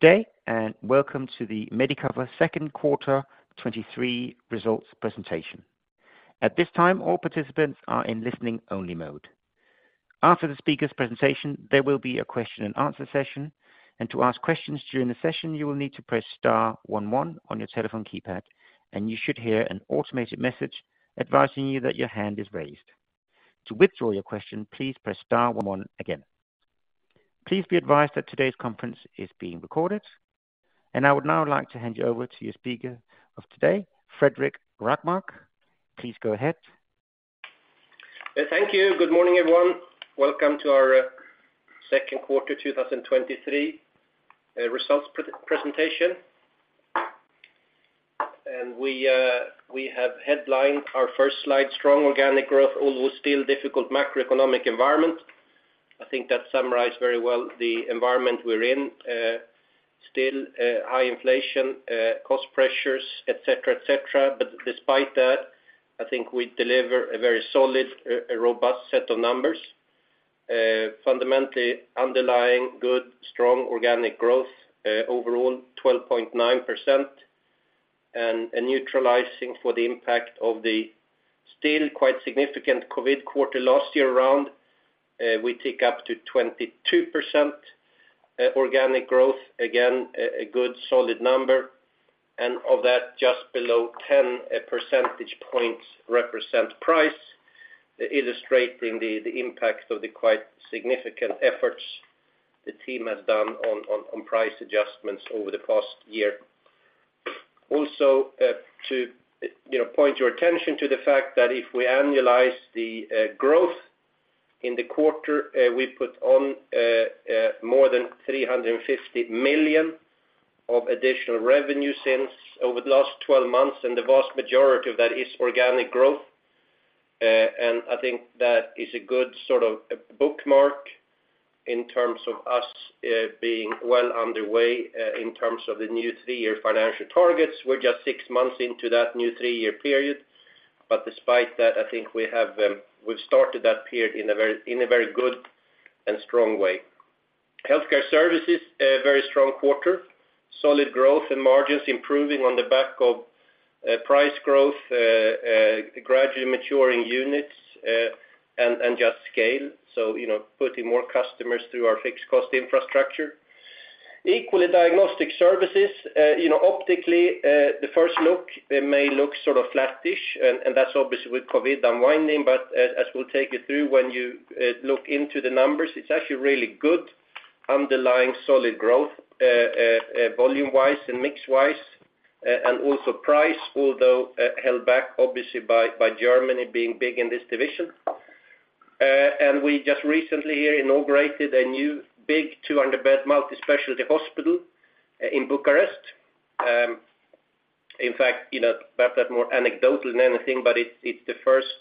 Good day, welcome to the Medicover second quarter 2023 results presentation. At this time, all participants are in listening only mode. After the speaker's presentation, there will be a question-and-answer session, to ask questions during the session, you will need to press star one one on your telephone keypad, you should hear an automated message advising you that your hand is raised. To withdraw your question, please press star one one again. Please be advised that today's conference is being recorded. I would now like to hand you over to your speaker of today, Fredrik Rågmark. Please go ahead. Thank you. Good morning, everyone. Welcome to our second quarter 2023 results pre-presentation. We have headlined our first slide, strong organic growth, although still difficult macroeconomic environment. I think that summarized very well the environment we're in, still high inflation, cost pressures, et cetera, et cetera. Despite that, I think we deliver a very solid, robust set of numbers, fundamentally underlying good, strong organic growth, overall 12.9%. Neutralizing for the impact of the still quite significant COVID quarter last year around, we take up to 22% organic growth. Again, a good solid number, of that, just below 10 percentage points represent price, illustrating the impact of the quite significant efforts the team has done on price adjustments over the past year. To, you know, point your attention to the fact that if we annualize the growth in the quarter, we put on more than 350 million of additional revenue since over the last 12 months, and the vast majority of that is organic growth. I think that is a good sort of a bookmark in terms of us being well underway in terms of the new three-year financial targets. We're just six months into that new three-year period, but despite that, I think we have, we've started that period in a very, in a very good and strong way. Healthcare Services, a very strong quarter, solid growth and margins improving on the back of price growth, gradually maturing units, and just scale. You know, putting more customers through our fixed cost infrastructure. Equally, Diagnostic Services, you know, optically, the first look, it may look sort of flattish, and that's obviously with COVID unwinding. As we'll take you through, when you look into the numbers, it's actually really good, underlying solid growth, volume-wise and mix-wise, and also price, although held back obviously by Germany being big in this division. We just recently inaugurated a new big 200 bed multi-specialty hospital in Bucharest. In fact, you know, perhaps that more anecdotal than anything, but it's the first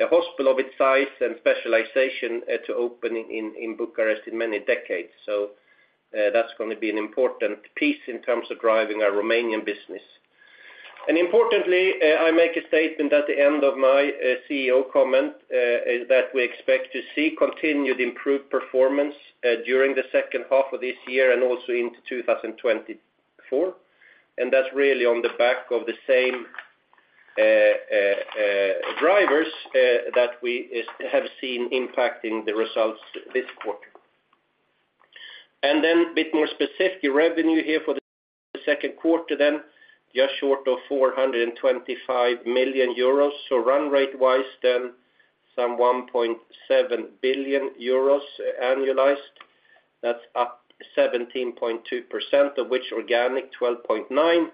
a hospital of its size and specialization to open in Bucharest in many decades. That's gonna be an important piece in terms of driving our Romanian business. Importantly, I make a statement at the end of my CEO comment, is that we expect to see continued improved performance during the second half of this year and also into 2024. That's really on the back of the same drivers that we have seen impacting the results this quarter. A bit more specific, the revenue here for the second quarter, then just short of 425 million euros. Run rate-wise, then some 1.7 billion euros annualized. That's up 17.2%, of which organic 12.9%.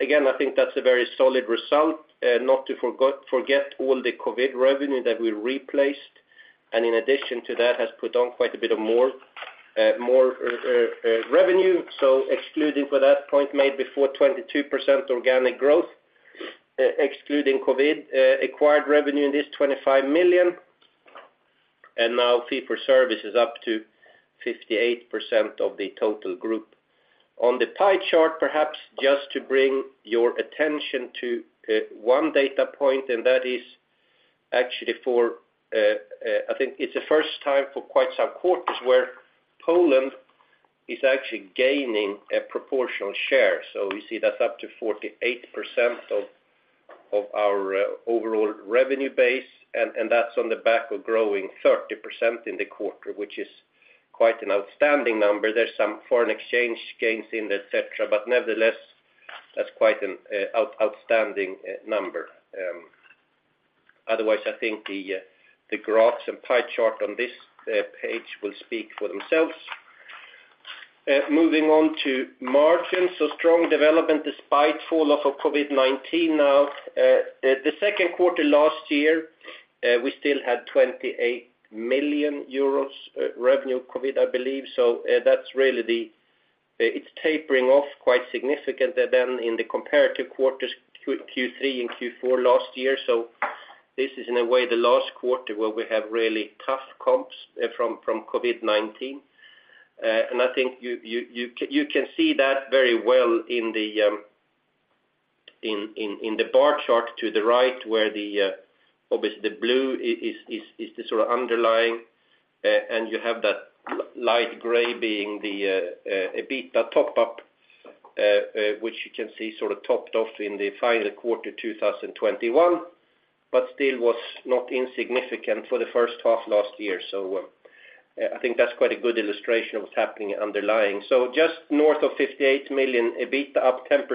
Again, I think that's a very solid result, not to forget all the COVID-19 revenue that we replaced, and in addition to that, has put on quite a bit of more revenue. Excluding for that point made before 22% organic growth, excluding COVID, acquired revenue in this 25 million, and now fee-for-service is up to 58% of the total group. On the pie chart, perhaps just to bring your attention to one data point, and that is actually for, I think it's the first time for quite some quarters where Poland is actually gaining a proportional share. We see that's up to 48% of our overall revenue base, and that's on the back of growing 30% in the quarter, which is quite an outstanding number. There's some foreign exchange gains in there, et cetera, but nevertheless, that's quite an outstanding number. Otherwise, I think the graphs and pie chart on this page will speak for themselves. Moving on to margins. Strong development despite falloff of COVID-19 now. The second quarter last year, we still had 28 million euros revenue COVID, I believe. That's really the it's tapering off quite significantly than in the comparative quarters, Q3 and Q4 last year. This is in a way, the last quarter where we have really tough comps from COVID-19. And I think you can see that very well in the. in the bar chart to the right where obviously the blue is the sort of underlying, and you have that light gray being the EBITDA top up, which you can see sort of topped off in the final quarter 2021, but still was not insignificant for the first half last year. I think that's quite a good illustration of what's happening underlying. Just north of 58 million EBITDA, up 10%,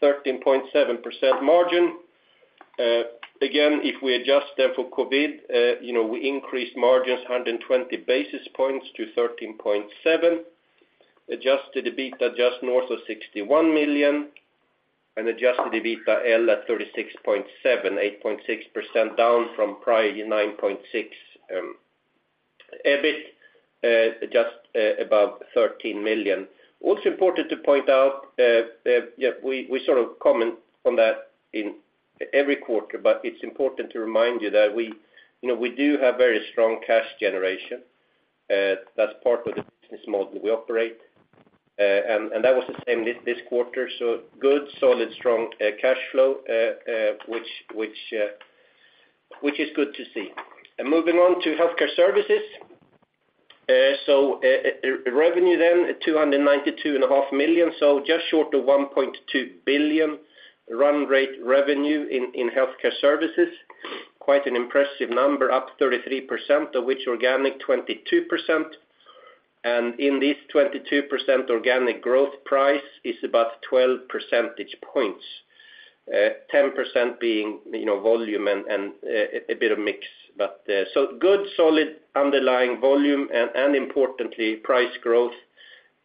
13.7% margin. Again, if we adjust that for COVID, you know, we increased margins 120 basis points to 13.7%. Adjusted EBITDA just north of 61 million, and adjusted EBITDAaL at 36.7, 8.6% down from prior 9.6%. EBIT, just above 13 million. Also important to point out, yeah, we sort of comment on that in every quarter, but it's important to remind you that we, you know, we do have very strong cash generation. That's part of the business model we operate. That was the same this quarter, so good, solid, strong cash flow, which is good to see. Moving on to Healthcare Services. Revenue then 292.5 million, so just short of 1.2 billion run rate revenue in Healthcare Services. Quite an impressive number, up 33%, of which organic 22%. In this 22% organic growth, price is about 12 percentage points, 10% being, you know, volume and a bit of mix. Good, solid underlying volume and importantly, price growth.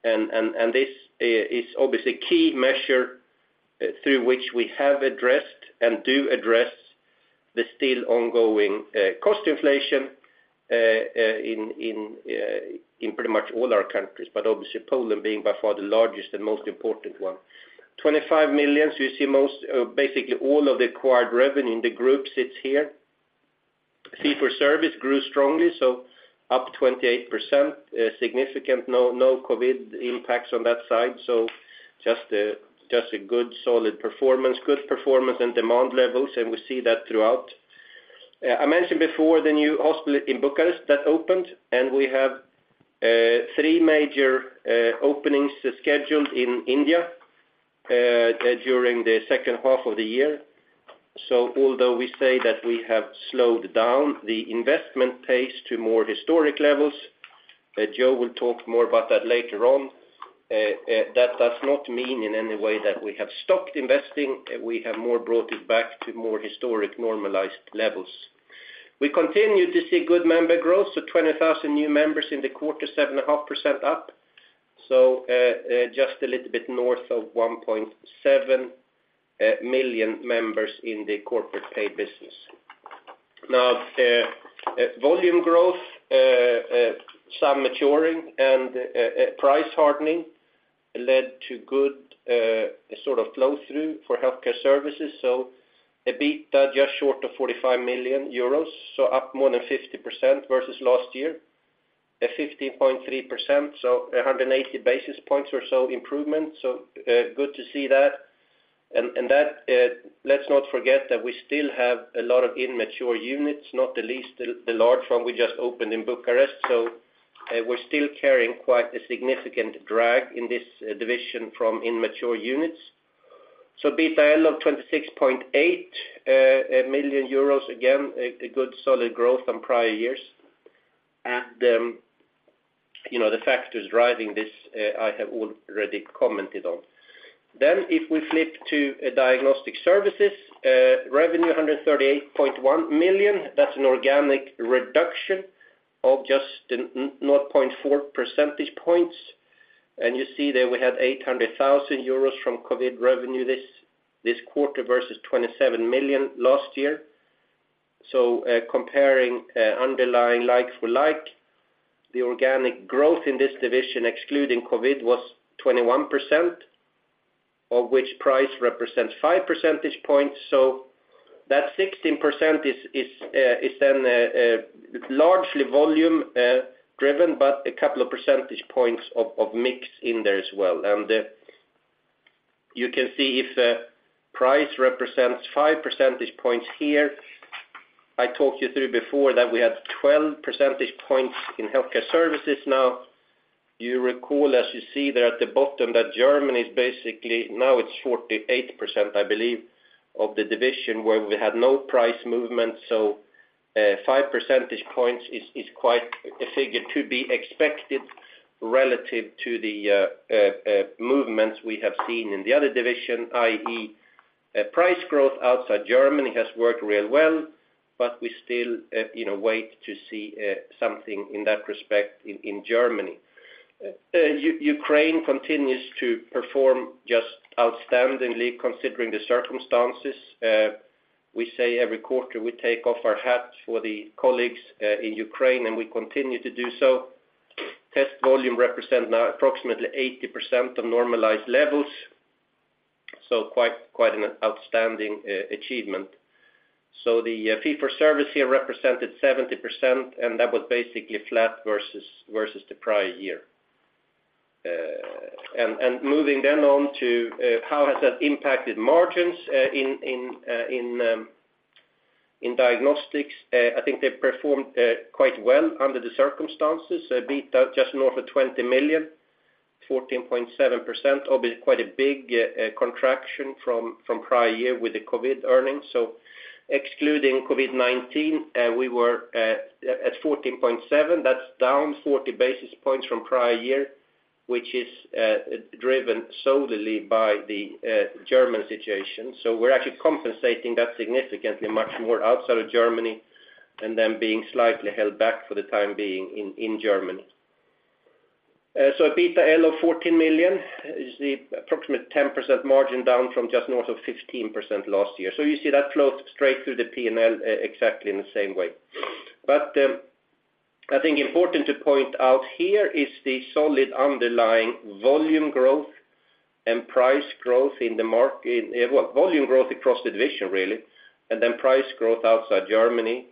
This is obviously a key measure through which we have addressed and do address the still ongoing cost inflation in pretty much all our countries, but obviously Poland being by far the largest and most important one. 25 million, so you see most, basically all of the acquired revenue in the group sits here. Fee-for-service grew strongly, so up 28%, significant, no COVID-19 impacts on that side. Just a good, solid performance and demand levels, and we see that throughout. I mentioned before the new hospital in Bucharest that opened, and we have three major openings scheduled in India during the second half of the year. Although we say that we have slowed down the investment pace to more historic levels, Joe will talk more about that later on, that does not mean in any way that we have stopped investing. We have more brought it back to more historic normalized levels. We continue to see good member growth, 20,000 new members in the quarter, 7.5% up. Just a little bit north of 1.7 million members in the corporate paid business. Now, volume growth, some maturing and price hardening led to good sort of flow-through for Healthcare Services. EBITDA just short of 45 million euros, up more than 50% versus last year, at 15.3%, 180 basis points or so improvement. Good to see that. Let's not forget that we still have a lot of immature units, not the least, the large one we just opened in Bucharest. EBITDAaL of 26.8 million euros, again, a good solid growth from prior years. You know, the factors driving this I have already commented on. If we flip to Diagnostic Services, revenue 138.1 million, that's an organic reduction of just 0.4 percentage points. You see that we had 800,000 euros from COVID revenue this quarter versus 27 million last year. Comparing, underlying like for like, the organic growth in this division, excluding COVID, was 21%, of which price represents 5 percentage points. That 16% is then largely volume driven, but a couple of percentage points of mix in there as well. You can see if the price represents 5 percentage points here. I talked you through before that we had 12 percentage points in Healthcare Services. Now, you recall, as you see there at the bottom, that Germany is basically now it's 48%, I believe, of the division where we had no price movement. Five percentage points is quite a figure to be expected relative to the movements we have seen in the other division, i.e., price growth outside Germany has worked real well, but we still, you know, wait to see something in that respect in Germany. Ukraine continues to perform just outstandingly, considering the circumstances. We say every quarter, we take off our hats for the colleagues in Ukraine, and we continue to do so. Test volume represent now approximately 80% of normalized levels, so quite an outstanding achievement. The fee-for-service here represented 70%, and that was basically flat versus the prior year. Moving then on to how has that impacted margins in Diagnostics, I think they performed quite well under the circumstances. Beat out just north of 20 million, 14.7%, or be quite a big contraction from prior year with the COVID-19 earnings. Excluding COVID-19, we were at 14.7%. That's down 40 basis points from prior year, which is driven solely by the German situation. We're actually compensating that significantly much more outside of Germany and then being slightly held back for the time being in Germany. A EBITDAaL of 14 million is the approximate 10% margin down from just north of 15% last year. You see that flow straight through the P&L exactly in the same way. I think important to point out here is the solid underlying volume growth and price growth in well, volume growth across the division, really, and then price growth outside Germany.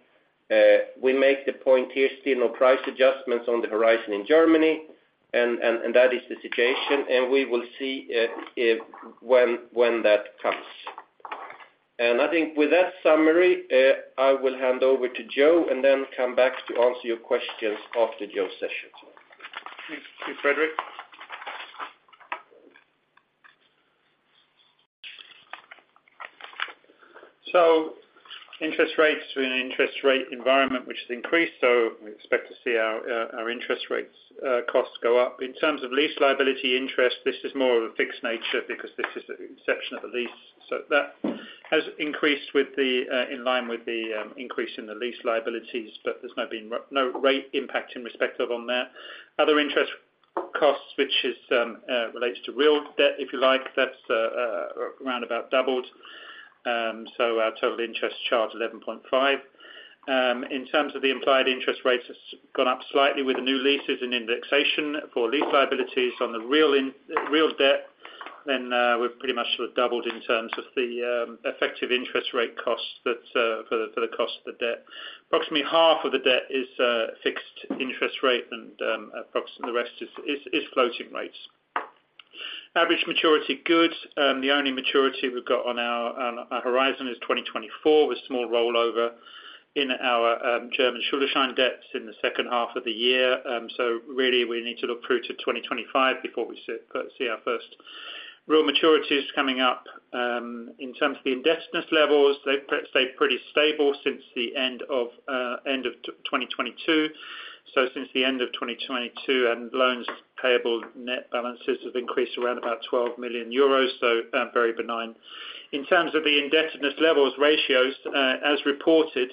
We make the point here, still no price adjustments on the horizon in Germany, and that is the situation, and we will see when that comes. I think with that summary, I will hand over to Joe and then come back to answer your questions after Joe's session. Thank you, Fredrik. Interest rates, we're in an interest rate environment which has increased, we expect to see our interest rates costs go up. In terms of lease liability interest, this is more of a fixed nature because this is the inception of the lease. That has increased with the in line with the increase in the lease liabilities, but there's not been no rate impact in respect of on that. Other interest costs, which is relates to real debt, if you like, that's round about doubled. Our total interest charge 11.5 million. In terms of the implied interest rates, it's gone up slightly with the new leases and indexation for lease liabilities on the real debt, we've pretty much sort of doubled in terms of the effective interest rate cost that for the cost of the debt. Approximately half of the debt is fixed interest rate and approximately the rest is floating rates. Average maturity good. The only maturity we've got on our horizon is 2024, with small rollover in our German Schuldschein debts in the second half of the year. Really, we need to look through to 2025 before we see our first real maturities coming up. In terms of the indebtedness levels, they've stayed pretty stable since the end of 2022. Since the end of 2022, loans payable, net balances have increased around about 12 million euros, very benign. In terms of the indebtedness levels ratios, as reported,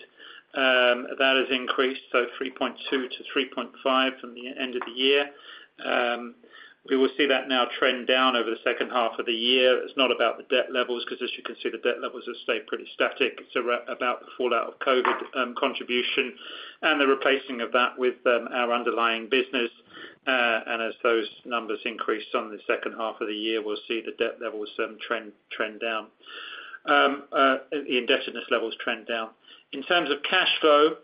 that has increased, 3.2x-3.5x from the end of the year. We will see that now trend down over the second half of the year. It's not about the debt levels, 'cause as you can see, the debt levels have stayed pretty static. It's about the fallout of COVID contribution and the replacing of that with our underlying business. As those numbers increase on the second half of the year, we'll see the debt levels trend down. The indebtedness levels trend down. In terms of cash flow,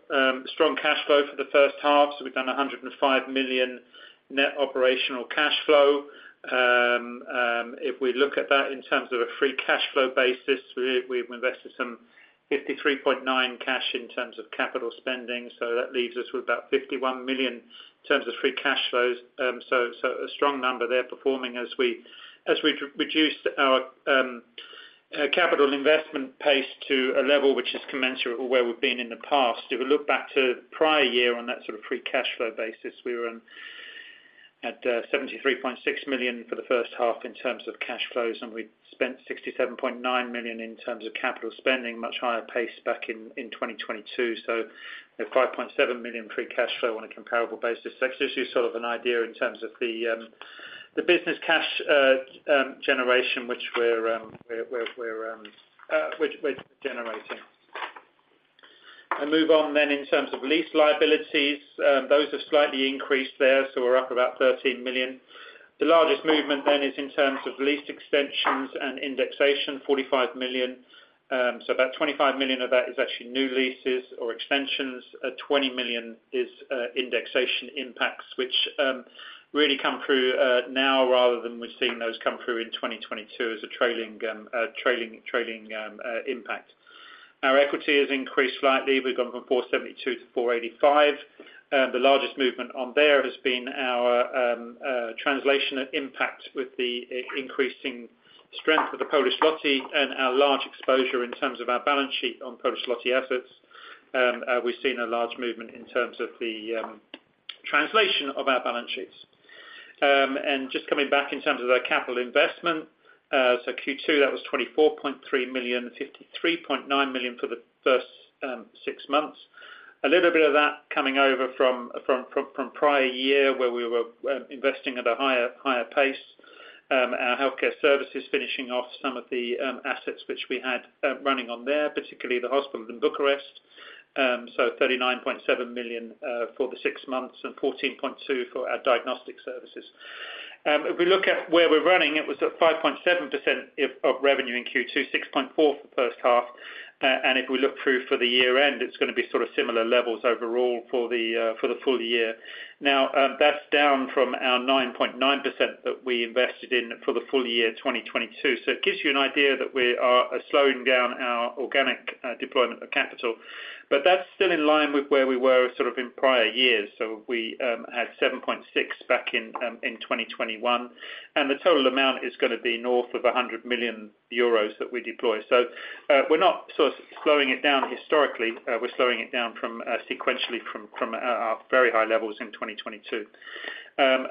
strong cash flow for the first half, we've done 105 million net operational cash flow. If we look at that in terms of a free cash flow basis, we've invested some 53.9 million cash in terms of capital spending, that leaves us with about 51 million in terms of free cash flows. A strong number there performing as we reduced our capital investment pace to a level which is commensurate with where we've been in the past. If we look back to prior year on that sort of free cash flow basis, we were 73.6 million for the first half in terms of cash flows, and we spent 67.9 million in terms of capital spending, much higher pace back in 2022, so it's 5.7 million free cash flow on a comparable basis. That's just you sort of an idea in terms of the business cash generation, which we're generating. I move on in terms of lease liabilities, those have slightly increased there, so we're up about 13 million. The largest movement is in terms of lease extensions and indexation, 45 million. About 25 million of that is actually new leases or extensions. 20 million is indexation impacts, which really come through now, rather than we're seeing those come through in 2022 as a trailing impact. Our equity has increased slightly. We've gone from 472 million to 485 million. The largest movement on there has been our translation impact with the increasing strength of the Polish złoty and our large exposure in terms of our balance sheet on Polish złoty assets. We've seen a large movement in terms of the translation of our balance sheets. Just coming back in terms of our capital investment, so Q2, that was 24.3 million, 53.9 million for the first six months. A little bit of that coming over from prior year, where we were investing at a higher pace. Our Healthcare Services, finishing off some of the assets which we had running on there, particularly the hospital in Bucharest. 39.7 million for the six months and 14.2 million for our Diagnostic Services. If we look at where we're running, it was at 5.7% of revenue in Q2, 6.4% for the first half. If we look through for the year end, it's gonna be sort of similar levels overall for the full year. That's down from our 9.9% that we invested in for the full year 2022. It gives you an idea that we are slowing down our organic deployment of capital, but that's still in line with where we were, sort of in prior years. We had 7.6% back in 2021, and the total amount is gonna be north of 100 million euros that we deploy. We're not sort of slowing it down historically, we're slowing it down from sequentially, from our very high levels in 2022.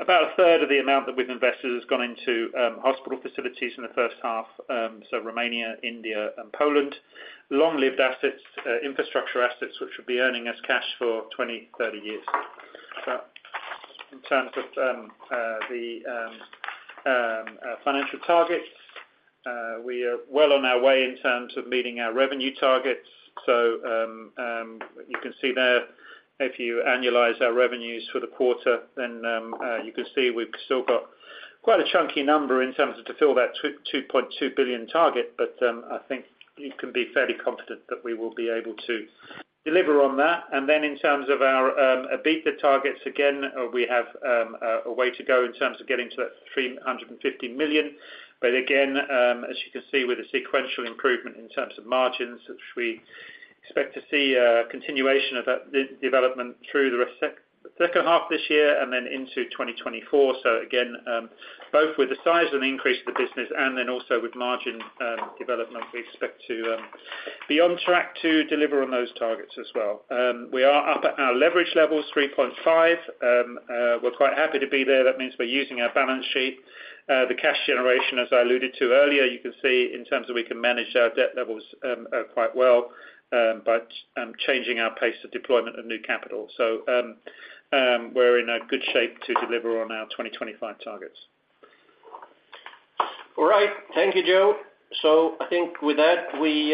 About a third of the amount that we've invested has gone into hospital facilities in the first half, so Romania, India, and Poland. Long-lived assets, infrastructure assets, which will be earning us cash for 20, 30 years. In terms of the financial targets, we are well on our way in terms of meeting our revenue targets. You can see there, if you annualize our revenues for the quarter, then you can see we've still got quite a chunky number in terms of to fill that 2.2 billion target. I think you can be fairly confident that we will be able to deliver on that. In terms of our EBITDA targets, again, we have a way to go in terms of getting to that 350 million. Again, as you can see with the sequential improvement in terms of margins, which we expect to see, a continuation of that development through the second half this year and then into 2024. Again, both with the size and increase of the business, and then also with margin development, we expect to be on track to deliver on those targets as well. We are up at our leverage levels 3.5x. We're quite happy to be there. That means we're using our balance sheet. The cash generation, as I alluded to earlier, you can see in terms of we can manage our debt levels quite well, but changing our pace of deployment of new capital. We're in a good shape to deliver on our 2025 targets. All right. Thank you, Joe. I think with that, we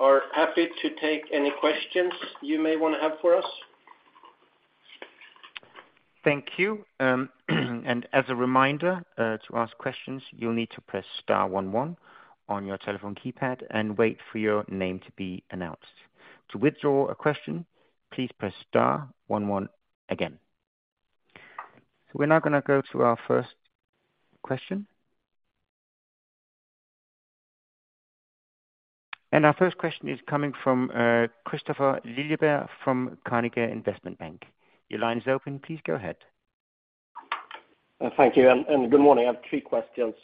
are happy to take any questions you may wanna have for us. Thank you. As a reminder, to ask questions, you'll need to press star one one on your telephone keypad and wait for your name to be announced. To withdraw a question, please press star one one again. We're now gonna go to our first question. Our first question is coming from Kristofer Liljeberg from Carnegie Investment Bank. Your line is open, please go ahead. Thank you, and good morning. I have three questions.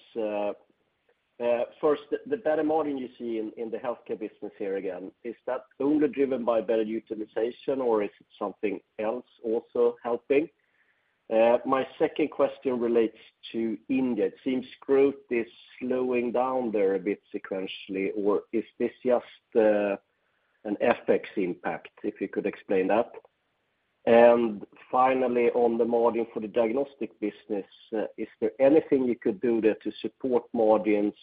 First, the better margin you see in the healthcare business here, again, is that only driven by better utilization, or is it something else also helping? My second question relates to India. It seems growth is slowing down there a bit sequentially, or is this just an FX impact? If you could explain that. Finally, on the margin for the Diagnostic business, is there anything you could do there to support margins,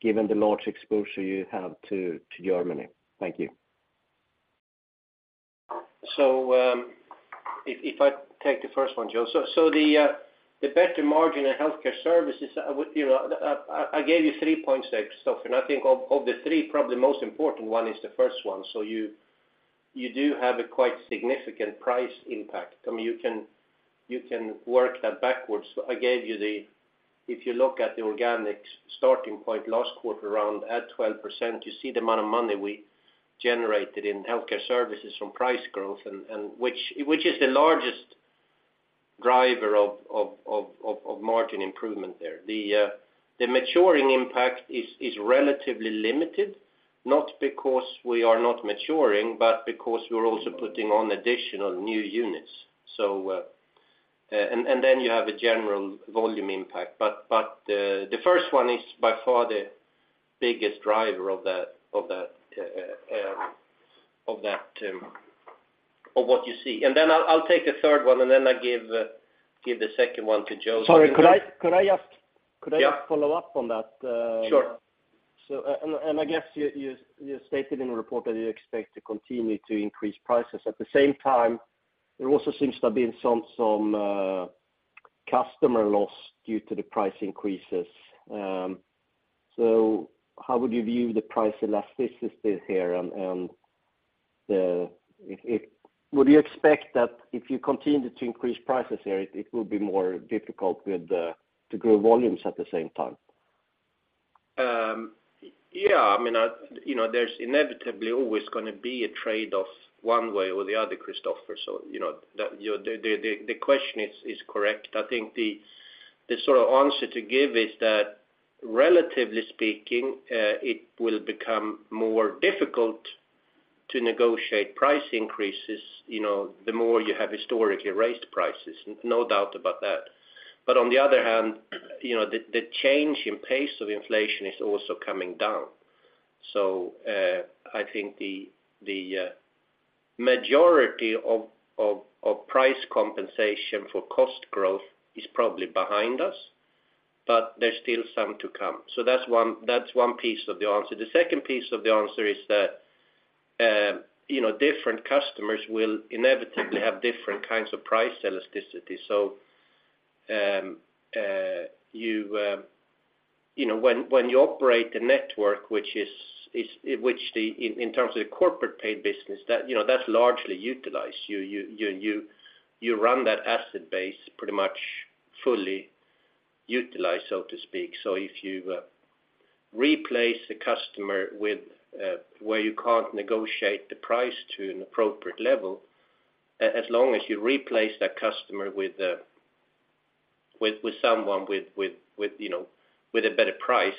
given the large exposure you have to Germany? Thank you. If I take the first one, Joe. The better margin in Healthcare Services, I would you know, I gave you three points there, Kristofer, and I think of the three, probably the most important one is the first one. You do have a quite significant price impact. I mean, you can work that backwards. I gave you the—if you look at the organics starting point last quarter, around at 12%, you see the amount of money we generated in Healthcare Services from price growth and which is the largest driver of margin improvement there. The maturing impact is relatively limited, not because we are not maturing, but because we're also putting on additional new units. You have a general volume impact. The first one is by far the biggest driver of that, of what you see. I'll take the third one, and then I give the second one to Joe. Sorry, could I just. Yeah? Could I just follow up on that? Sure. I guess you stated in the report that you expect to continue to increase prices. At the same time, there also seems to have been some customer loss due to the price increases. How would you view the price elasticity here? Would you expect that if you continue to increase prices here, it would be more difficult to grow volumes at the same time? Yeah, I mean, you know, there's inevitably always gonna be a trade-off one way or the other, Kristofer, you know, that, your, the question is correct. I think the sort of answer to give is that relatively speaking, it will become more difficult to negotiate price increases, you know, the more you have historically raised prices, no doubt about that. On the other hand, you know, the change in pace of inflation is also coming down. I think the majority of price compensation for cost growth is probably behind us, but there's still some to come. That's one piece of the answer. The second piece of the answer is that, you know, different customers will inevitably have different kinds of price elasticity. You know, when you operate the network, which is, in terms of the corporate paid business, that, you know, that's largely utilized. You run that asset base pretty much fully utilized, so to speak. If you replace the customer with where you can't negotiate the price to an appropriate level, as long as you replace that customer with someone with, you know, with a better price,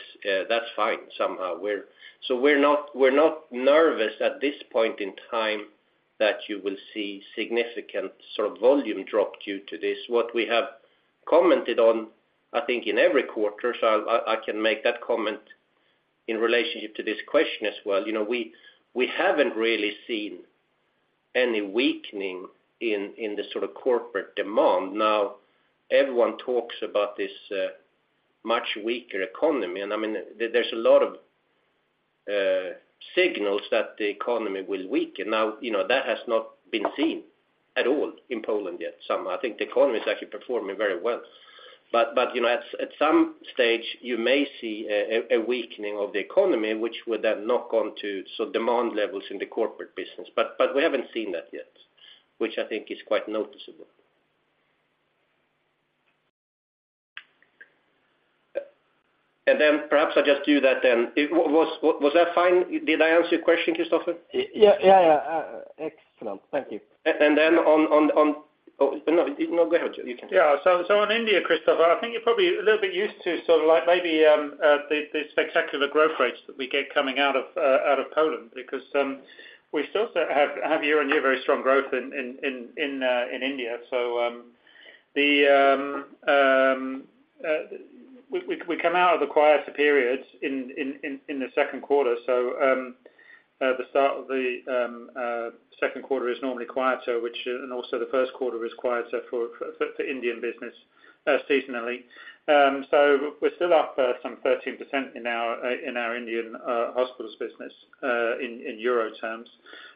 that's fine somehow. We're not nervous at this point in time, that you will see significant sort of volume drop due to this. What we have commented on, I think, in every quarter, so I can make that comment in relationship to this question as well. You know, we haven't really seen any weakening in the sort of corporate demand. Everyone talks about this much weaker economy, and I mean, there's a lot of signals that the economy will weaken. You know, that has not been seen at all in Poland yet. Somehow, I think the economy is actually performing very well. You know, at some stage you may see a weakening of the economy, which would then knock on to sort of demand levels in the corporate business. We haven't seen that yet, which I think is quite noticeable. Perhaps I'll just do that then. Was that fine? Did I answer your question, Kristofer? Yeah, yeah. Excellent. Thank you. And then, on... Oh, no, go ahead, Joe. In India, Kristofer, I think you're probably a little bit used to sort of like maybe the spectacular growth rates that we get coming out of Poland, because we still have year-on-year, very strong growth in India. We come out of the quieter periods in the second quarter. The start of the second quarter is normally quieter, which, and also the first quarter is quieter for Indian business seasonally. We're still up some 13% in our Indian hospitals business in euro terms.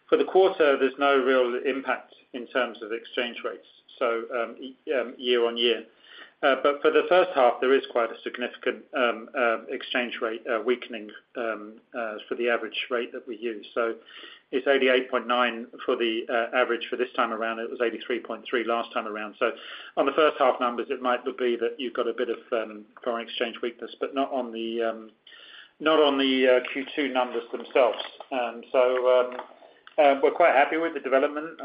For the quarter, there's no real impact in terms of exchange rates year-on-year. For the first half, there is quite a significant exchange rate weakening for the average rate that we use. It's 88.9 per euro for the average for this time around. It was 83.3 per euro last time around. On the first half numbers, it might be that you've got a bit of foreign exchange weakness, but not on the Q2 numbers themselves. We're quite happy with the development.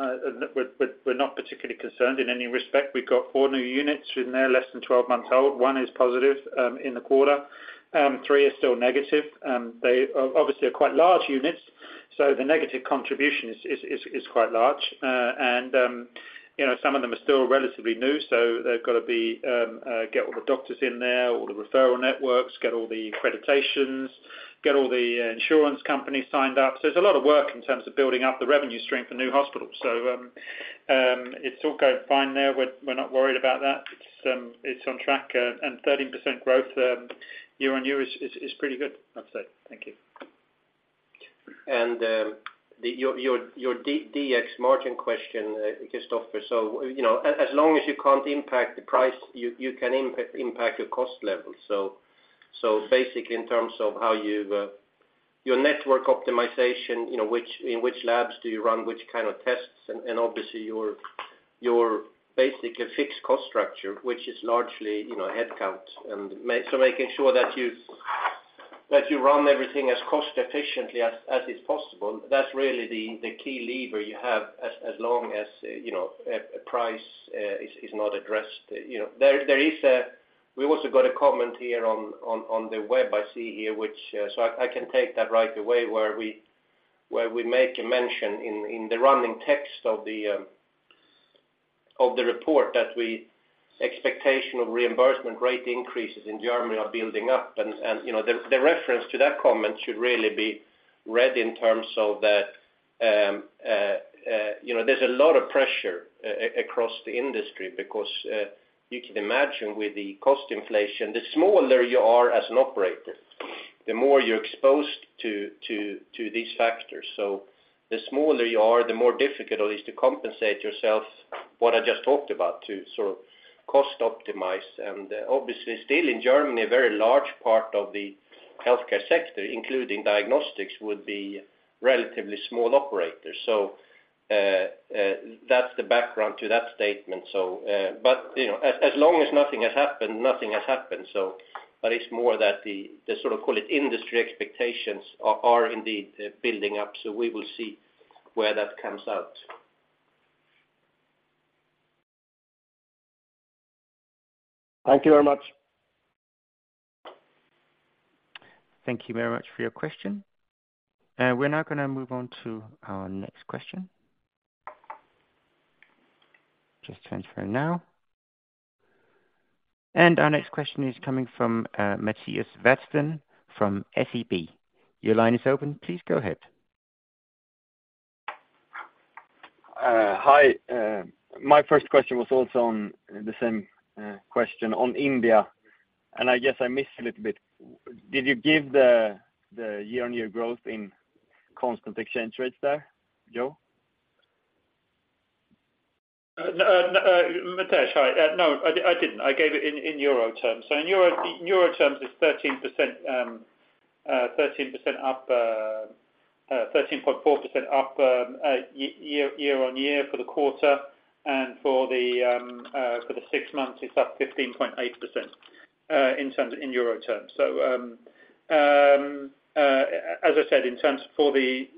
We're not particularly concerned in any respect. We've got four new units in there, less than 12 months old. One is positive in the quarter, three are still negative. They are obviously quite large units, so the negative contribution is quite large. You know, some of them are still relatively new, so they've got to get all the doctors in there, all the referral networks, get all the accreditations, get all the insurance companies signed up. There's a lot of work in terms of building up the revenue stream for new hospitals. It's all going fine there. We're not worried about that. It's on track. 13% growth year-on-year is pretty good, I'd say. Thank you. Your DX margin question, Kristofer. You know, as long as you can't impact the price, you can impact your cost level. Basically, in terms of how you your network optimization, you know, in which labs do you run, which kind of tests, and obviously, your basic fixed cost structure, which is largely, you know, headcount. Making sure that you run everything as cost efficiently as is possible, that's really the key lever you have, as long as, you know, a price is not addressed, you know. There we also got a comment here on the web I see here, which, so I can take that right away, where we make a mention in the running text of the report that we expectation of reimbursement rate increases in Germany are building up. You know, the reference to that comment should really be read in terms of that, you know, there's a lot of pressure across the industry because, you can imagine with the cost inflation, the smaller you are as an operator, the more you're exposed to these factors. So the smaller you are, the more difficult it is to compensate yourself, what I just talked about, to sort of cost optimize. Obviously, still in Germany, a very large part of the healthcare sector, including diagnostics, would be relatively small operators. That's the background to that statement, so, but, you know, as long as nothing has happened, nothing has happened. It's more that the sort of, call it, industry expectations are indeed, building up. We will see where that comes out. Thank you very much. Thank you very much for your question. We're now gonna move on to our next question. Just transferring now. Our next question is coming from Mattias Vadsten from SEB. Your line is open. Please go ahead. Hi. My first question was also on the same question on India, I guess I missed a little bit. Did you give the year-on-year growth in constant exchange rates there, Joe? Mattias, hi. No, I didn't. I gave it in euro terms. In euro terms, it's 13%, 13% up, 13.4% up year-on-year for the quarter, and for the six months, it's up 15.8% in euro terms. As I said, in terms for the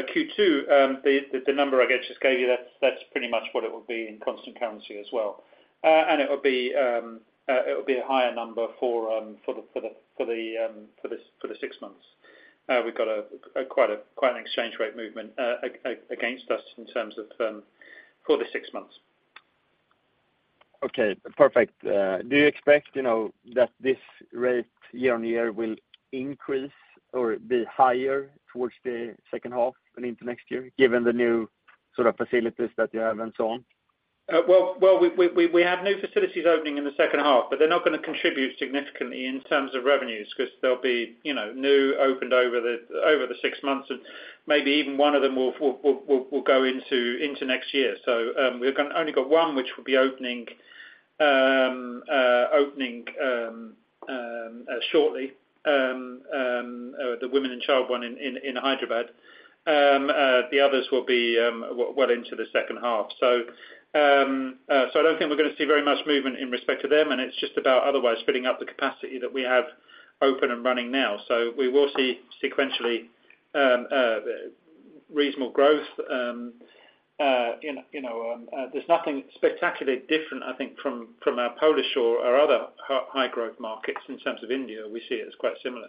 Q2, the number I just gave you, that's pretty much what it would be in constant currency as well. And it would be a higher number for the six months. We've got quite an exchange rate movement against us in terms of currency conversion for the six months. Okay, perfect. Do you expect, you know, that this rate year-on-year will increase or be higher towards the second half and into next year, given the new sort of facilities that you have and so on? Well, we have new facilities opening in the second half, but they're not gonna contribute significantly in terms of revenues, 'cause they'll be, you know, new opened over the six months, and maybe even one of them will go into next year. We've got only got one which will be opening shortly. The women and child one in Hyderabad. The others will be well into the second half. I don't think we're gonna see very much movement in respect to them, and it's just about otherwise splitting up the capacity that we have open and running now. We will see sequentially reasonable growth. you know, you know, there's nothing spectacularly different, I think, from our Polish or our other high growth markets in terms of India, we see it as quite similar.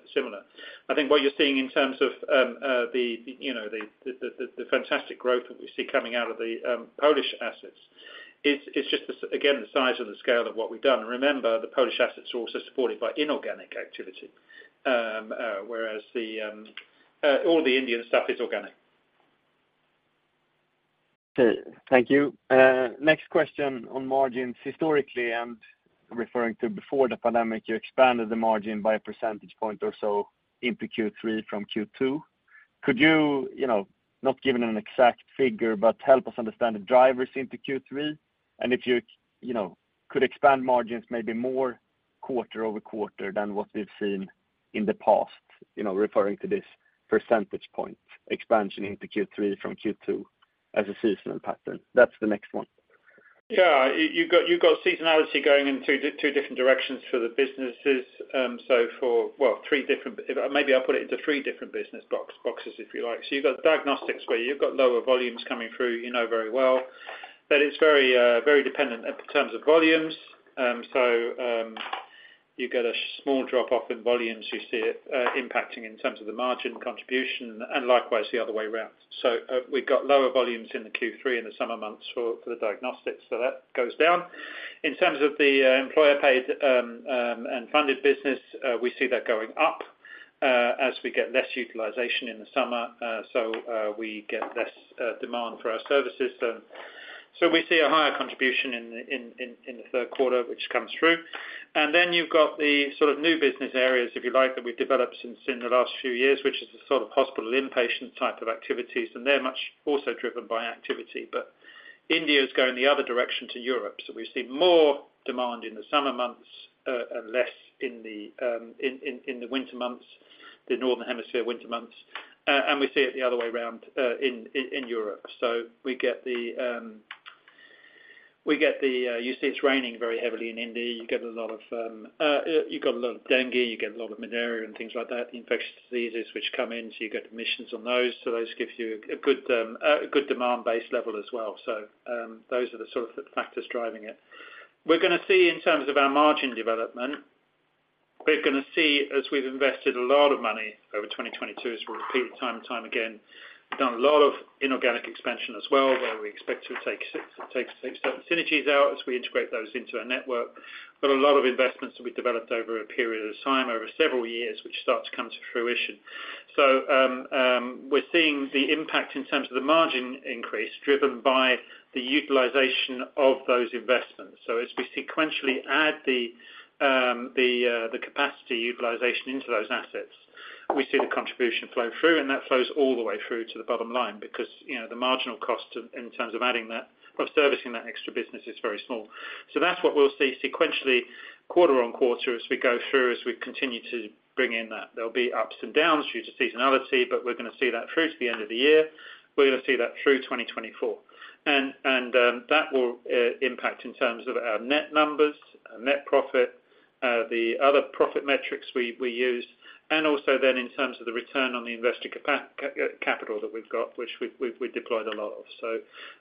I think what you're seeing in terms of, you know, the fantastic growth that we see coming out of the Polish assets is just again, the size and the scale of what we've done. Remember, the Polish assets are also supported by inorganic activity. whereas all the Indian stuff is organic. Okay. Thank you. Next question on margins. Historically, I'm referring to before the pandemic, you expanded the margin by a percentage point or so into Q3 from Q2. Could you know, not give an exact figure, but help us understand the drivers into Q3? If you know, could expand margins maybe more quarter-over-quarter than what we've seen in the past, you know, referring to this percentage point expansion into Q3 from Q2 as a seasonal pattern. That's the next one. You've got seasonality going in two different directions for the businesses. Well, three different, maybe I'll put it into three different business boxes, if you like. You've got diagnostics, where you've got lower volumes coming through, you know very well that it's very dependent in terms of volumes. You get a small drop-off in volumes, you see it impacting in terms of the margin contribution, and likewise, the other way around. We've got lower volumes in the Q3, in the summer months for the diagnostics, so that goes down. In terms of the employer paid and funded business, we see that going up as we get less utilization in the summer. We get less demand for our services then. We see a higher contribution in the third quarter, which comes through. Then you've got the sort of new business areas, if you like, that we've developed since in the last few years, which is the sort of hospital inpatient type of activities, and they're much also driven by activity. India is going the other direction to Europe, so we've seen more demand in the summer months, and less in the winter months, the northern hemisphere winter months. We see it the other way around in Europe. We get the... You see it's raining very heavily in India. You get a lot of, you got a lot of dengue, you get a lot of malaria and things like that, infectious diseases which come in, so you get admissions on those. Those gives you a good, a good demand-based level as well. Those are the sort of factors driving it. We're gonna see in terms of our margin development, we're gonna see, as we've invested a lot of money over 2022, as we repeat time and time again, we've done a lot of inorganic expansion as well, where we expect to take certain synergies out as we integrate those into our network. A lot of investments that we developed over a period of time, over several years, which start to come to fruition. We're seeing the impact in terms of the margin increase driven by the utilization of those investments. As we sequentially add the capacity utilization into those assets, we see the contribution flow through, and that flows all the way through to the bottom line, because, you know, the marginal cost in terms of adding that or servicing that extra business is very small. That's what we'll see sequentially, quarter-on-quarter, as we go through, as we continue to bring in that. There'll be ups and downs due to seasonality, but we're gonna see that through to the end of the year. We're gonna see that through 2024. That will impact in terms of our net numbers, our net profit, the other profit metrics we use, and also then in terms of the return on the invested capital that we've got, which we've deployed a lot of.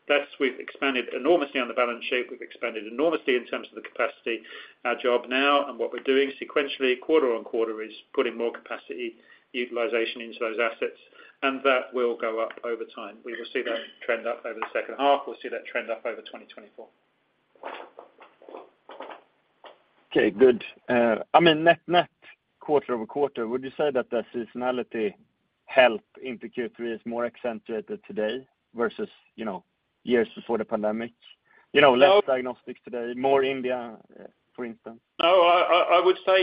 That's we've expanded enormously on the balance sheet, we've expanded enormously in terms of the capacity. Our job now and what we're doing sequentially, quarter on quarter, is putting more capacity utilization into those assets, and that will go up over time. We will see that trend up over the second half. We'll see that trend up over 2024. Okay, good. I mean, net-net, quarter-over-quarter, would you say that the seasonality help into Q3 is more accentuated today versus, you know, years before the pandemic? You know, less diagnostics today, more India, for instance. No, I would say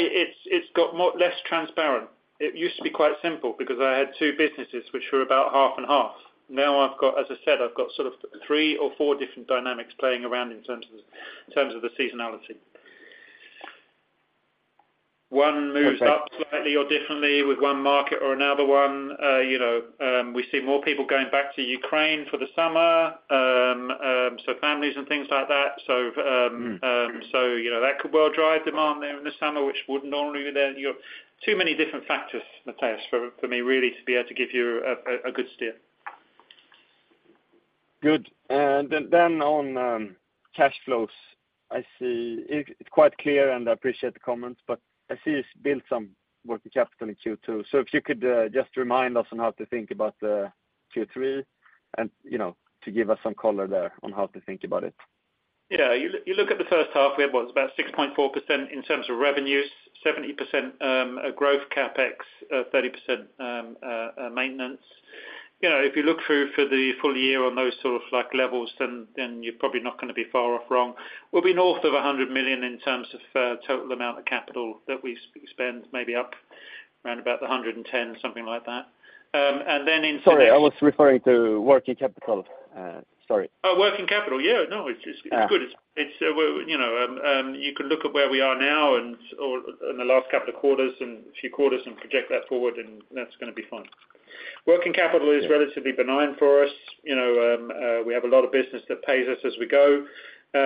it's got more less transparent. It used to be quite simple because I had two businesses which were about half and half. Now, I've got, as I said, I've got sort of three or four different dynamics playing around in terms of, in terms of the seasonality. One moves up slightly or differently with one market or another one. you know, we see more people going back to Ukraine for the summer. Families and things like that. You know, that could well drive demand there in the summer, which wouldn't normally be there. You have too many different factors, Mattias, for me really to be able to give you a good steer. Good. Then on, cash flows, I see it's quite clear, and I appreciate the comments, but I see it's built some working capital in Q2. If you could, just remind us on how to think about the Q3 and, you know, to give us some color there on how to think about it. You look at the first half, we had what? About 6.4% in terms of revenues, 70% growth CapEx, 30% maintenance. You know, if you look through for the full year on those sort of like levels, then you're probably not gonna be far off wrong. We'll be north of 100 million in terms of total amount of capital that we spend, maybe up around about 110 million, something like that. Sorry, I was referring to working capital, sorry. Oh, working capital. Yeah. No, it's good. Ah. It's, you know, you can look at where we are now and/or in the last couple of quarters and few quarters and project that forward, that's gonna be fine. Working capital is relatively benign for us. You know, we have a lot of business that pays us as we go. You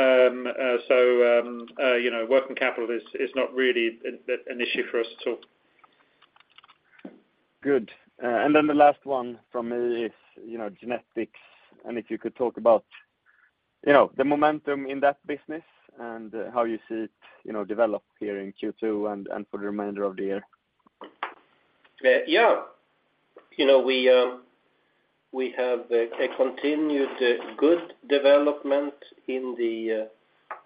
know, working capital is not really an issue for us at all. Good. The last one from me is, you know, genetics, and if you could talk about, you know, the momentum in that business and, how you see it, you know, develop here in Q2 and for the remainder of the year. Yeah. You know, we have a continued good development in the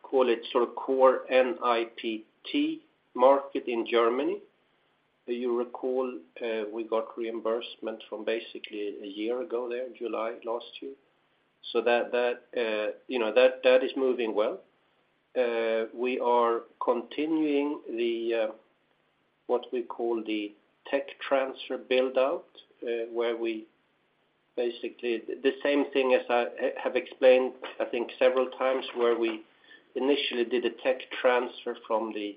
call it sort of core NIPT market in Germany. You recall, we got reimbursement from basically a year ago there, July last year. That, that, you know, that is moving well. We are continuing the what we call the tech transfer build-out. The same thing as I have explained, I think, several times, where we initially did a tech transfer from the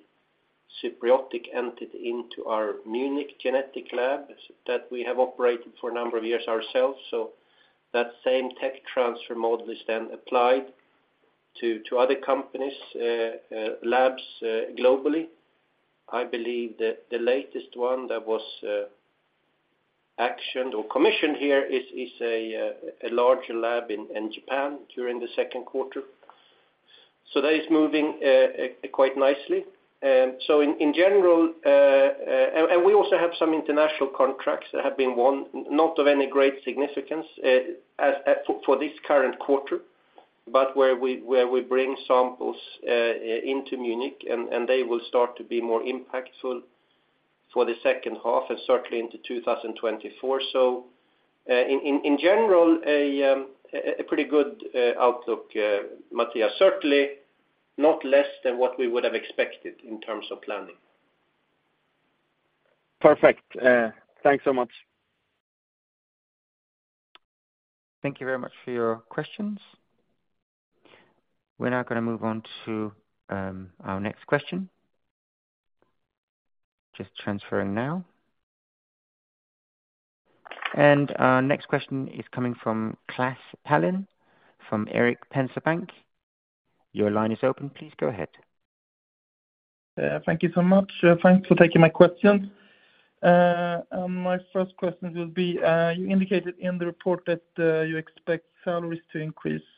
NIPD Genetics entity into our Munich genetic lab, that we have operated for a number of years ourselves. That same tech transfer model is then applied to other companies, labs, globally. I believe that the latest one that was actioned or commissioned here is a larger lab in Japan during the second quarter. That is moving quite nicely. In general, and we also have some international contracts that have been won, not of any great significance as for this current quarter, but where we bring samples into Munich, and they will start to be more impactful for the second half and certainly into 2024. In general, a pretty good outlook, Mattias. Certainly, not less than what we would have expected in terms of planning. Perfect. Thanks so much. Thank you very much for your questions. We're now gonna move on to our next question. Just transferring now. Our next question is coming from Klas Palin, from Erik Penser Bank. Your line is open. Please go ahead. Thank you so much. Thanks for taking my questions. My first question will be, you indicated in the report that, you expect salaries to increase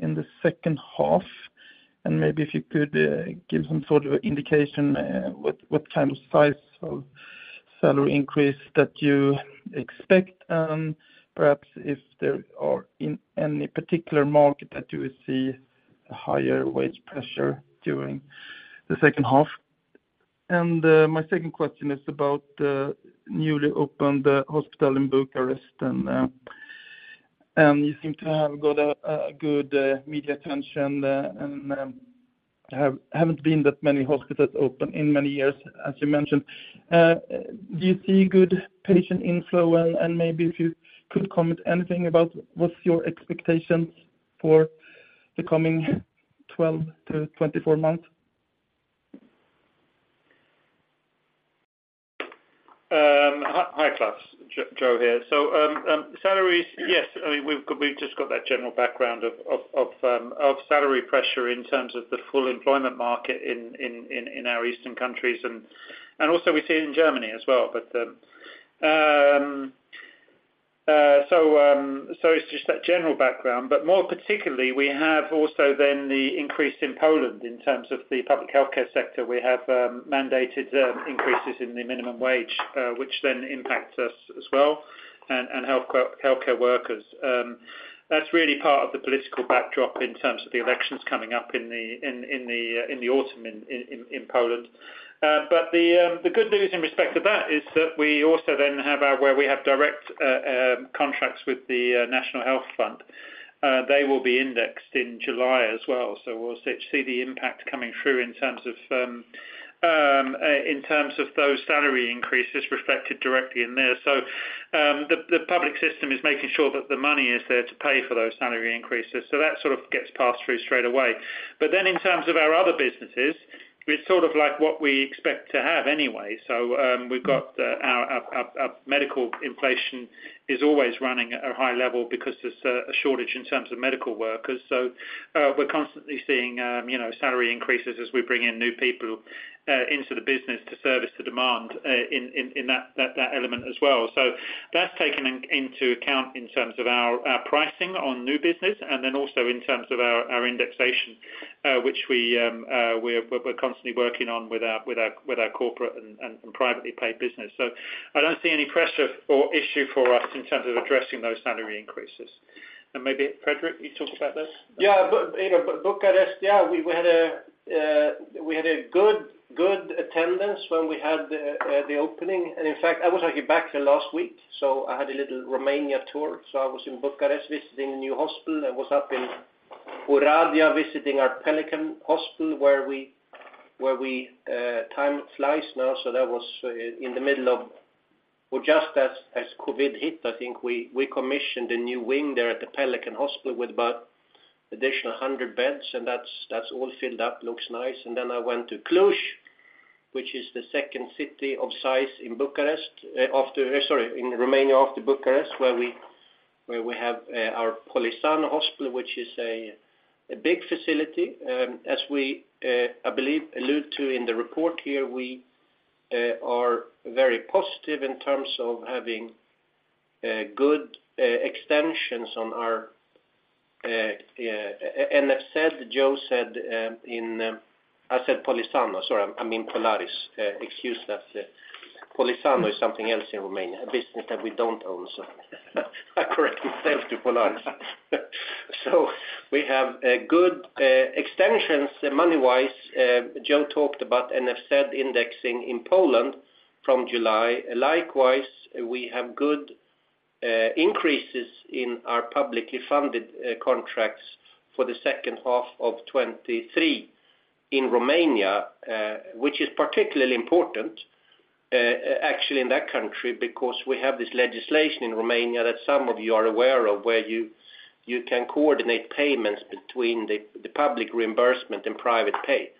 in the second half, and maybe if you could give some sort of indication, what kind of size of salary increase that you expect, perhaps if there are in any particular market that you see a higher wage pressure during the second half? My second question is about the newly opened hospital in Bucharest, and you seem to have got a good media attention, and haven't been that many hospitals open in many years, as you mentioned. Do you see good patient inflow, and maybe if you could comment anything about what's your expectations for the coming 12-24 months? Hi, Klas. Joe here. Salaries, yes, I mean, we've just got that general background of salary pressure in terms of the full employment market in our eastern countries, and also we see it in Germany as well. it's just that general background, but more particularly, we have also then the increase in Poland in terms of the public healthcare sector. We have mandated increases in the minimum wage, which then impacts us as well, and healthcare workers. That's really part of the political backdrop in terms of the elections coming up in the autumn in Poland. The good news in respect to that is that we also then have our, where we have direct contracts with the National Health Fund. They will be indexed in July as well. We'll see the impact coming through in terms of those salary increases reflected directly in there. The public system is making sure that the money is there to pay for those salary increases. That sort of gets passed through straight away. In terms of our other businesses, it's sort of like what we expect to have anyway. We've got our medical inflation is always running at a high level because there's a shortage in terms of medical workers. We're constantly seeing, you know, salary increases as we bring in new people into the business to service the demand in that element as well. That's taken into account in terms of our pricing on new business, and then also in terms of our indexation, which we're constantly working on with our corporate and privately paid business. I don't see any pressure or issue for us in terms of addressing those salary increases. Maybe Fredrik, you talked about this? Bucharest, we had a good attendance when we had the opening. In fact, I was actually back here last week, so I had a little Romania tour. I was in Bucharest visiting the new hospital. I was up in Oradea, visiting our Pelican Hospital, where we time flies now. That was in the middle of or just as COVID hit, I think we commissioned a new wing there at the Pelican Hospital with about additional 100 beds, and that's all filled up, looks nice. I went to Cluj, which is the second city of size in Romania, after Bucharest, where we have our Polisano Hospital, which is a big facility. As we, I believe, allude to in the report here, we are very positive in terms of having good extensions on our, and I said, Joe said, I said Polisano, sorry, I mean Polaris, excuse that. Polisano is something else in Romania, a business that we don't own, so I correct myself to Polaris. We have good extensions money-wise. Joe talked about NFZ indexing in Poland from July. Likewise, we have good increases in our publicly funded contracts for the second half of 2023 in Romania, which is particularly important actually in that country, because we have this legislation in Romania that some of you are aware of, where you can coordinate payments between the public reimbursement and private pay.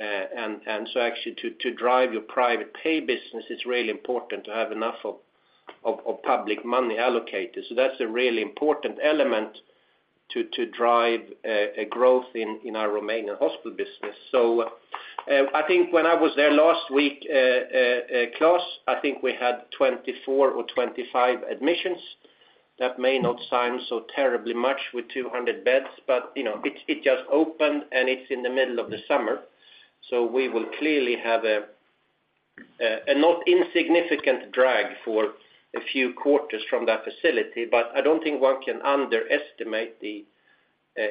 Actually to drive your private pay business, it's really important to have enough of public money allocated. That's a really important element to drive a growth in our Romanian hospital business. I think when I was there last week, Klas, I think we had 24 or 25 admissions. That may not sound so terribly much with 200 beds, but, you know, it just opened, and it's in the middle of the summer, so we will clearly have a not insignificant drag for a few quarters from that facility. I don't think one can underestimate the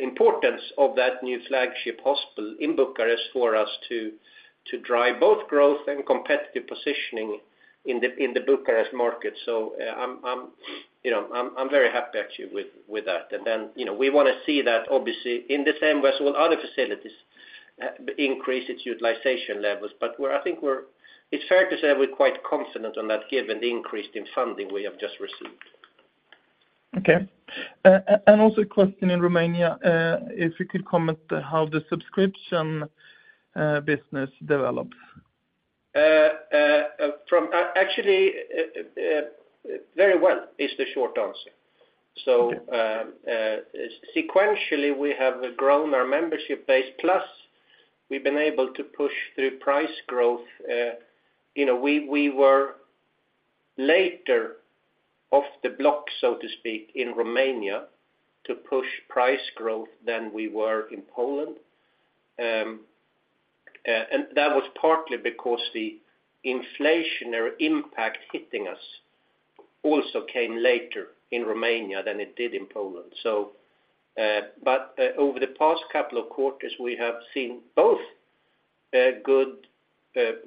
importance of that new flagship hospital in Bucharest for us to drive both growth and competitive positioning in the Bucharest market. I'm, you know, I'm very happy actually, with that. you know, we wanna see that obviously in the same way as with other facilities, increase its utilization levels. It's fair to say we're quite confident on that given the increase in funding we have just received. Okay. And also a question in Romania, if you could comment how the subscription business develops? Actually, "very well" is the short answer. Okay. Sequentially, we have grown our membership base, plus we've been able to push through price growth. You know, we were later off the block, so to speak, in Romania, to push price growth than we were in Poland. And that was partly because the inflationary impact hitting us also came later in Romania than it did in Poland. But over the past couple of quarters, we have seen both good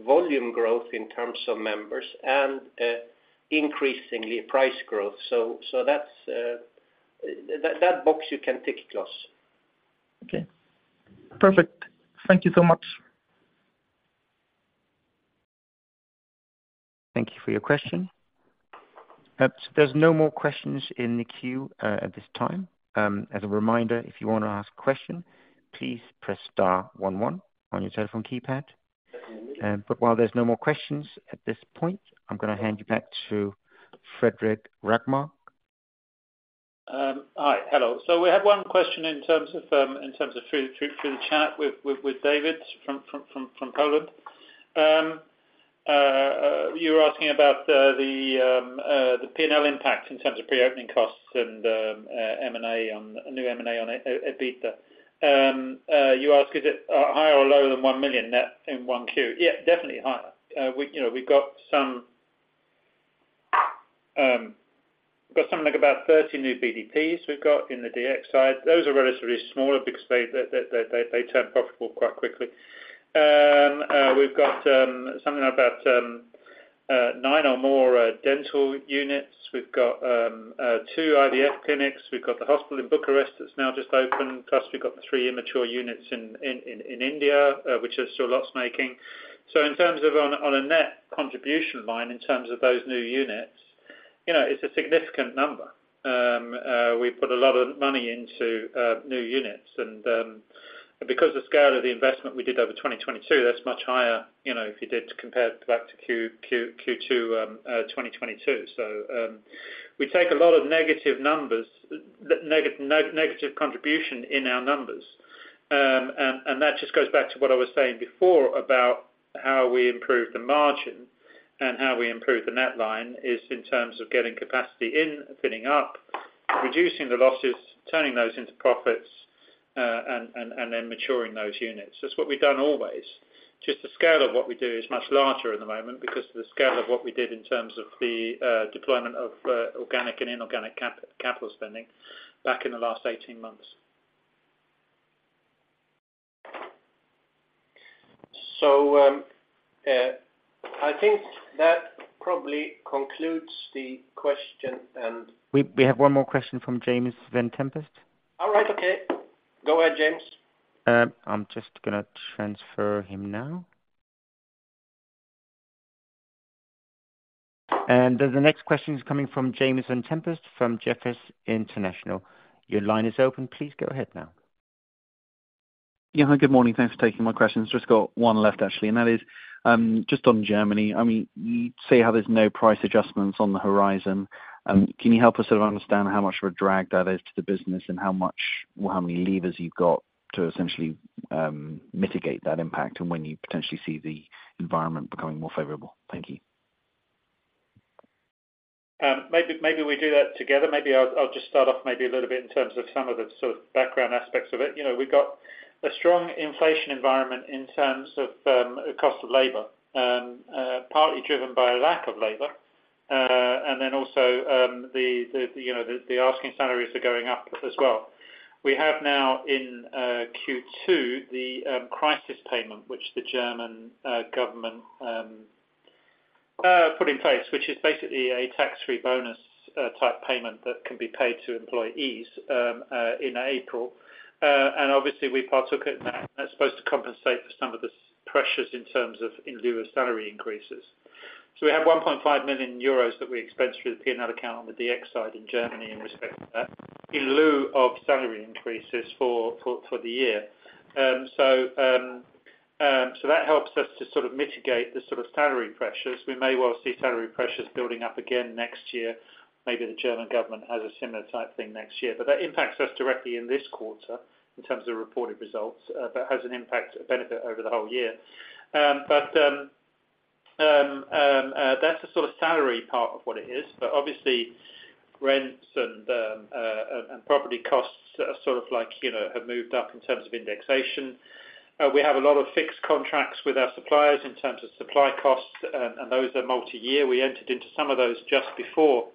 volume growth in terms of members and increasingly price growth. That's that box you can tick, Klas. Okay, perfect. Thank you so much. Thank you for your question. There's no more questions in the queue, at this time. As a reminder, if you want to ask a question, please press star one one on your telephone keypad. While there's no more questions at this point, I'm gonna hand you back to Fredrik Rågmark. Hi. Hello. We had 1 question in terms of in terms of through the chat with David, from Poland. You were asking about the P&L impact in terms of pre-opening costs and new M&A on EBITDA. You ask, is it higher or lower than 1 million net in 1Q? Yeah, definitely higher. We, you know, got something like about 30 new BDPs we've got in the Diagnostic Services side. Those are relatively smaller because they turn profitable quite quickly. We've got something about nine or more dental units. We've got two IVF clinics. We've got the hospital in Bucharest that's now just opened, plus we've got the three immature units in India, which are still loss-making. In terms of on a net contribution line, in terms of those new units, you know, it's a significant number. We put a lot of money into new units, and because the scale of the investment we did over 2022, that's much higher, you know, if you did to compare back to Q2, 2022. We take a lot of negative numbers, negative contribution in our numbers. That just goes back to what I was saying before about how we improve the margin and how we improve the net line is in terms of getting capacity in, filling up, reducing the losses, turning those into profits, and then maturing those units. That's what we've done always. Just the scale of what we do is much larger at the moment because the scale of what we did in terms of the deployment of organic and inorganic capital spending back in the last 18 months. I think that probably concludes the question. We have one more question from James Vane-Tempest. All right. Okay. Go ahead, James. I'm just gonna transfer him now. The next question is coming from James Vane-Tempest from Jefferies International. Your line is open. Please go ahead now. Hi, good morning. Thanks for taking my questions. Just got one left, actually, and that is, just on Germany. I mean, you say how there's no price adjustments on the horizon. Can you help us sort of understand how much of a drag that is to the business, and how much, or how many levers you've got to essentially, mitigate that impact, and when you potentially see the environment becoming more favorable? Thank you. Maybe we do that together. Maybe I'll just start off maybe a little bit in terms of some of the sort of background aspects of it. You know, we've got a strong inflation environment in terms of cost of labor, partly driven by a lack of labor. Then also, you know, the asking salaries are going up as well. We have now in Q2, the crisis payment, which the German government put in place, which is basically a tax-free bonus type payment that can be paid to employees in April. Obviously we partook in that. That's supposed to compensate for some of the pressures in terms of in lieu of salary increases. We have 1.5 million euros that we expensed through the P&L account on the Diagnostic Services side in Germany in respect to that, in lieu of salary increases for the year. that helps us to sort of mitigate the sort of salary pressures. We may well see salary pressures building up again next year. Maybe the German government has a similar type thing next year. that impacts us directly in this quarter in terms of reported results, but has an impact, a benefit over the whole year. that's the sort of salary part of what it is, but obviously, rents and property costs are sort of like, you know, have moved up in terms of indexation. We have a lot of fixed contracts with our suppliers in terms of supply costs, and those are multi-year. We entered into some of those just before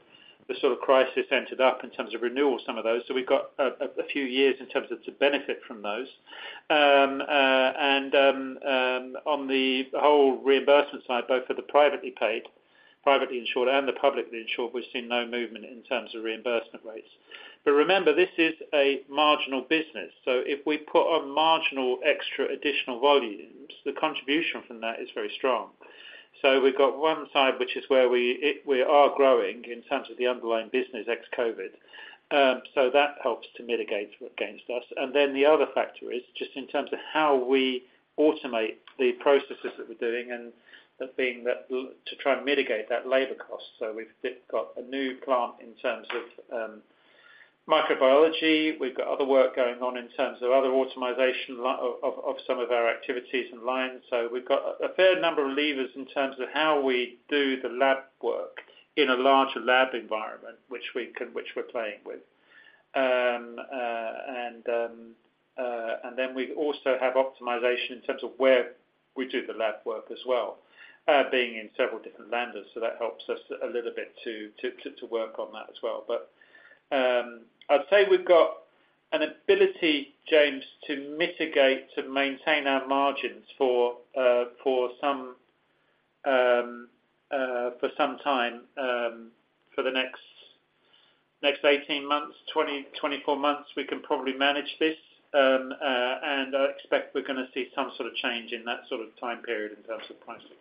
the sort of crisis entered up in terms of renewals, some of those. We've got a few years in terms of to benefit from those. On the whole reimbursement side, both for the privately paid, privately insured and the publicly insured, we've seen no movement in terms of reimbursement rates. Remember, this is a marginal business, so if we put on marginal extra additional volumes, the contribution from that is very strong. We've got one side, which is where we are growing in terms of the underlying business, ex-COVID. That helps to mitigate against us. The other factor is just in terms of how we automate the processes that we're doing and that being that to try and mitigate that labor cost. We've got a new plant in terms of microbiology. We've got other work going on in terms of other automation of some of our activities and lines. We've got a fair number of levers in terms of how we do the lab work in a larger lab environment, which we can, which we're playing with. We also have optimization in terms of where we do the lab work as well, being in several different Länder. That helps us a little bit to work on that as well. I'd say we've got an ability, James, to mitigate, to maintain our margins for some time, for the next 18 months, 20-24 months, we can probably manage this. I expect we're gonna see some sort of change in that sort of time period in terms of pricing.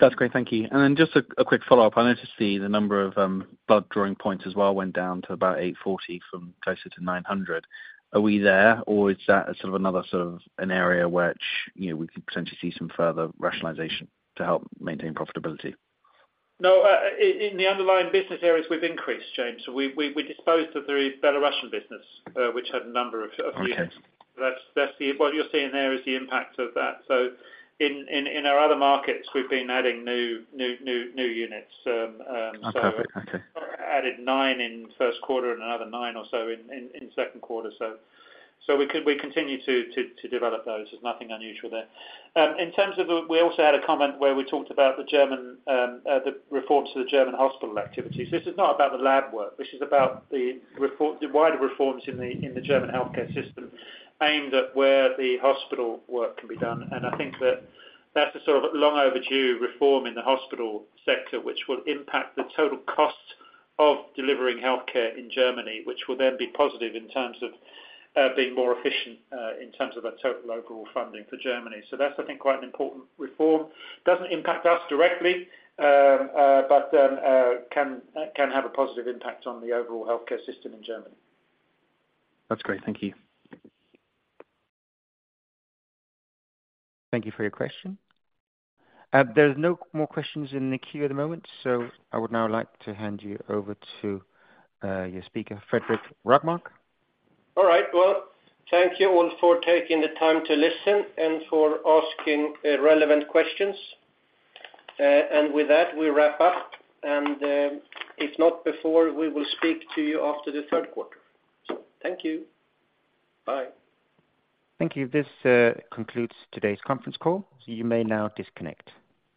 That's great. Thank you. Then just a quick follow-up. I noticed the number of blood-drawing points as well, went down to about 840 from closer to 900. Are we there, or is that a sort of another sort of an area which, you know, we could potentially see some further rationalization to help maintain profitability? No, in the underlying business areas, we've increased, James. We disposed of the Belarusian business, which had a number of units. Okay. What you're seeing there is the impact of that. In our other markets, we've been adding new units. Okay. Okay. Added nine in first quarter and another nine or so in second quarter. We continue to develop those. There's nothing unusual there. We also had a comment where we talked about the German reforms to the German hospital activities. This is not about the lab work. This is about the wider reforms in the German healthcare system, aimed at where the hospital work can be done. I think that that's a sort of long overdue reform in the hospital sector, which will impact the total cost of delivering healthcare in Germany, which will then be positive in terms of being more efficient in terms of the total overall funding for Germany. That's, I think, quite an important reform. Doesn't impact us directly, but can have a positive impact on the overall healthcare system in Germany. That's great. Thank you. Thank you for your question. There's no more questions in the queue at the moment. I would now like to hand you over to your speaker, Fredrik Rågmark. All right. Well, thank you all for taking the time to listen and for asking relevant questions. With that, we wrap up, and, if not before, we will speak to you after the third quarter. Thank you. Bye. Thank you. This concludes today's conference call. You may now disconnect.